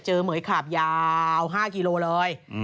๔๒๔๗เจอเหม๋ยขาบยาว๕กิโลเลย